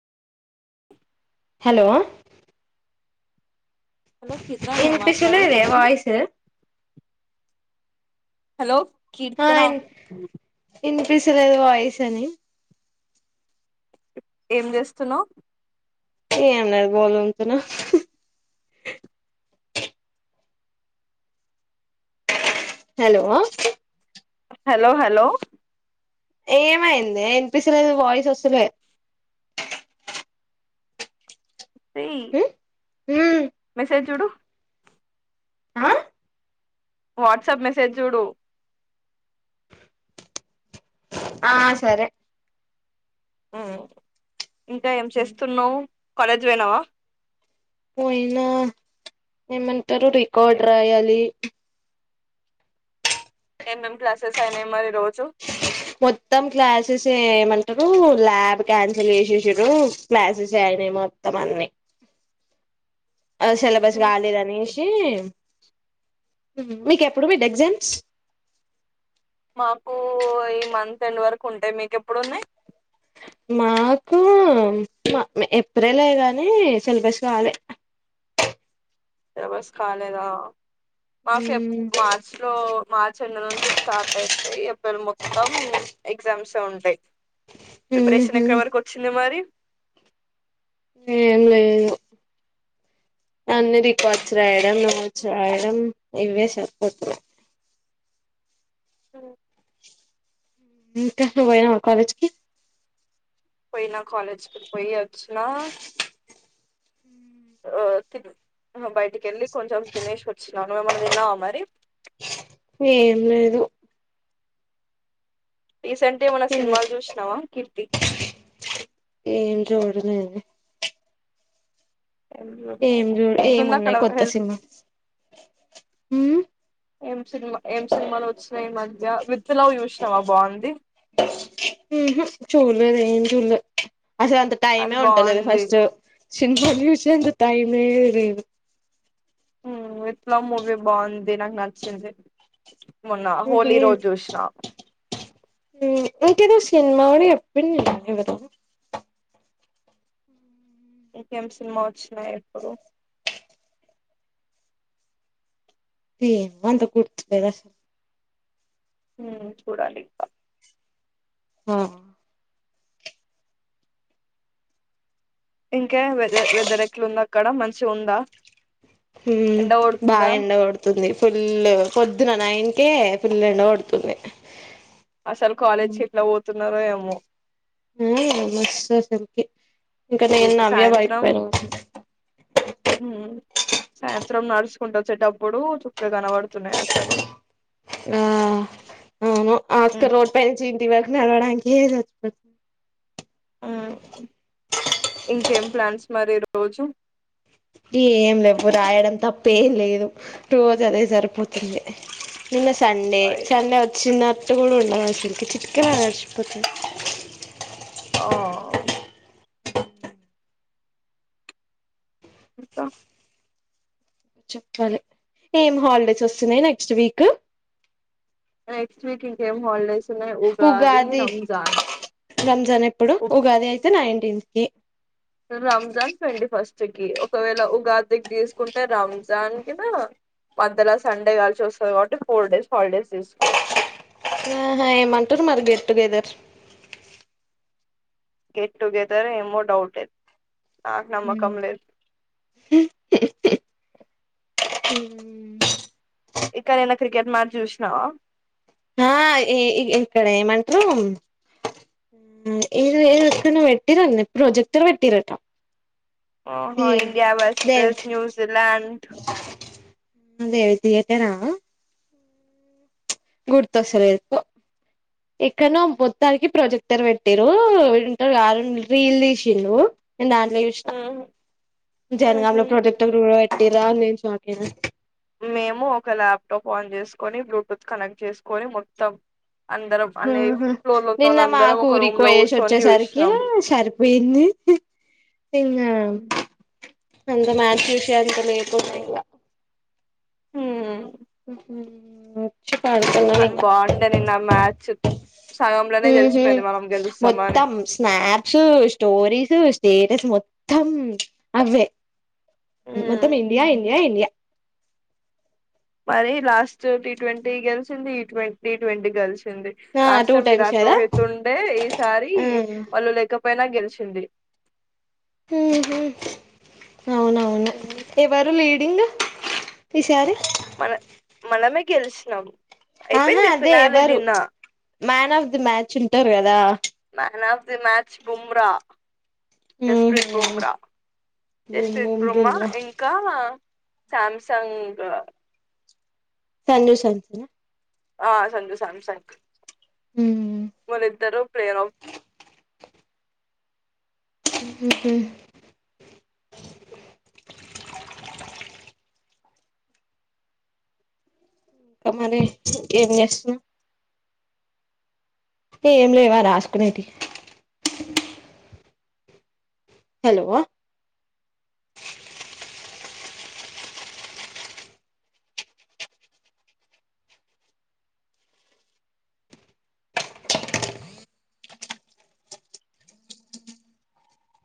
Hello hello కిత్రా నేను మాట్లాడేది ఇనిపిస్తుందిలే వాయిస్ హలో కీర్తన ప్పిసలేదు వాయిస్ అని ఏం చేస్తున్నావు ఏం లేదు బోల్ తోముతున్నా హలో హలో హలో ఏమయింది వినిపిస్తలే నీ వాయిస్ వస్తలే మ్మ్ మ్మ్ మెసేజ్ చూడు ఆ వాట్సాప్ మెసేజ్ చూడు ఆ సరే మ్మ్ ఇంకా ఏం చేస్తున్నావ్ కాలేజ్ పోయినావ పోయినా ఏమంటారు రికార్డ్ రాయాలి ఎం ఎం క్లాసెస్ అయినయి మరి ఈరోజు మొత్తం క్లాసెస్ ఏమంటారు ల్యాబ్ క్యాన్సిల్ చేశేశిరు క్లాసెస్ అనే మొత్తం అనే అ సిలబస్ కాలేదు అనేసి మ్మ్ మీకెప్పుడు మీడ్ ఎగ్జామ్స్ మాకు ఈ మంత్ ఎండ్ వరకు ఉంటాయి మీకు ఎప్పుడు ఉన్నాయి మాకు చేప్ ఎ‌ఎ చేప్పలే కానీ సిలబస్ కాలే సిలబస్ కాలేదా మాకు ఎప్ మార్చి లో మార్చ ఎండ్ నుంచి స్టార్ట్ అయితయి ఏప్రిల్ మొత్తం ఎగ్జామ్స్ ఎ ఉంటాయి ప్రిపరేషన్ ఉహు ఎక్కడ వరకు వచ్చింది మరి ఏం లేదు అన్ని రికార్డ్స్ రాయడం నొట్స్ రాయడం ఇవే సరిపోతున్నాయి మ్మ్ ఇంకా నువ్వు పోయనావ కాలేజ్కి పోయినా కాలేజ్ కాడికి పోయి అచ్చిన ఆ తిరిగి ఉమ్ బయటికెళ్లి కొంచం తినేశి ఒచ్చిన నువు ఎం అన్నా తిన్నావా మరి ఏం లేదు రీసెంట్ ఏం అన్నా సినిమాల చూశినావ కీర్తి ఇంకేముంది ఏం ఏం చూడలేదా? లే ఏం ఎట్లుంది అక్కడ ఉన్నాయి కొత్త హెల్త్ సినిమా ఉమ్ ఏం సినిమా ఏం సినిమాలు వొచ్చినాయి ఈ మధ్య విత్ లవ్ చూశినావా బాగుంది చూడలే అసలు అంత అది టైమే ఉంటలేదు బాగుంది ఫస్ట్ సినిమా చూశేంత ట్తేమ్ లేదు ఉమ్ విత్ లవ్ మూవీ బాగుంది నాకు నచ్చింది మొన్న [unintelligible] హోలీ రోజు చూసిన తెనాలి ఎప్పడికి పొతం మెము అయితే ఇంకేం సినిమా ఒచ్చినాయి ఇప్పుడు [unintelligible] ఉమ్ చూడాలి ఇక అవును ఇంకెం వెద వెదర్ ఎట్లా ఉంద్ అక్కడ మంచిగా ఉందా ఉమ్ ఎండ కొడుతుందా బాగా ఎండ కోడతుంది ఫుల్ పొద్దున న్తే ఏం ఫుల్ ఎండ కొడుతుంది అసలు కాలేజ్ క ఎట్లా పోతున్నారో అ ఆ మస్త సంకి ఏ సాయంత్రం సాయ్ర చిత్రం నడుచుకుంటూ వచ్చేటప్పుడు చుక్క కనబడుతున్నాయి అసలు ఆవును ఆస్క ఉమ్ రోడ్ ప దివాకి నడవడానికి సచ్చపో ఇంకేం ప్లాన్స్ మరి రోజు ఏం లేవు రాయడం తప్పేం లేదు రోజు అదే సరిపోతుంది నిన్న సండే అయ్యో సండే వచ్చిన ఇష్టగడు ఉండకి చ చిట్క మారచ్చప్పతే ఓ అకాా చెప్పాలి ఏం హాలిడేస్ వస్తున్నాయి నెక్స్ట్ వీక్ నెక్స్ట్ వీక్ ఇంకాేం హాలిడేస్ ఉన్నాయి ఉగాది, రంజాన్ రంజాన్ ఎప్పుడు? ఉ- ఉగాది అయితే నైన్ క రంజాన్ ట్వంటీ ఫస్ట్ కి, ఒకవేళ ఉగాదికి తీసుకుంటే రంజాన్ కినా మధ్యల సండే కలిసి వస్తుంది కాబట్టి ఫోర్ డేస్ హాలిడేస్ తీసుకోవచ్చు. ఆహా ఏమంటరు మరి, గెట్ టుగెదర్ గెట్ టుగెదర్ ఏమో డౌటె. నాక్ ఉమ్ నమ్మకం లేద్ ఉమ్ ఇక్కనైన క్రికెట్ మ్యాచ్ చూసినవా ఆ ఈ ఈ ఇక్కడ ఏమంట్రు, ఏదో ఏదో ఎక్కన్నో పెట్టిర్రన్నరు ప్రొజెక్టర్ పెట్టిరట. ఓహో ఇండియా దేవి వర్సెస్ న్యూజిలాండ్. అదే దియేటరా గుర్తొస్తలేదు పో, ఎక్కనో మొత్తానికి ప్రొజెక్టర్ పెట్టిరు, ఈడుంటడుగా అరుణ్ రీల్ తీసిండు. నేను దాంట్లో జ్యూస్నా, ఉమ్ జనగాం లో ప్రొజెక్టర్ గ [unintelligible] నేను షాకేనా మేము ఒక ల్యాప్టాప్ ఆన్ చేసుకొని, బ్లూటూత్ కనెక్ట్ చేసుకొని మొత్తం అందరం అనే ఉహు ఫ్లోర్ లో నిన్న ఉన్నోళ్ళందరం ఒక మాకూరికి రూమ్ లో వోయేసి కూర్చొని వచ్చేసరికే చూసినాం సరిపోయింది, ఇంగా అంత మ్యాజ్యూసెంత లేకుండే ఇంగ హ్మ్ చి పడుకున్నం కానీ ఇంగ, బాగుండే నిన్న మ్యాచ్ సగంలోనే ఉహు తెలిసిపోయింది మనం గెలుస్తామని మొత్తం స్నాప్స్ స్టోరీస్ స్టేటస్ మొత్ తమ్ అవే మొత్తం హ్మ్ ఇండియా ఇండియా ఇండియా. మరి లాస్ట్ టీ ట్వంటీ గెల్చింది, ఈ టీ ట్వంటీ గెలిచ్ చింది, ఆ last two time times Virat కదా రోహిత్తు ఉండే ఈసారి, ఆ వాళ్ళు లేకపోయినా గెల్ వచ్చింది. ఉహు అవునవును ఎవరు లీడింగ్ ఈ సారి. మన మనమే గెలిచినం. ఆహా అదే ఎవరు, ప్చ్ మ్యాన్ ఆఫ్ ది మ్యాచ్ ఉంటరు కదా. Man of the match Bumrah. Jasprit ఉహు బ్రుమ్రా బూమ్ జస్ప్రీత్ బూమ్ బ్రుమ్మ డుమ్ రా ఇంకా. సామ్సంగ్. సంజూ సాంసంన్ ఆ ఆహ్ సంజు సాంసంగ్. ఉహు వాలిద్దరూ ప్రేరాఫ్ ఉహూ ఇంకా మరి ఏం చేస్తున్నవ్. ఏం లేవా రాసుకునేటి హలో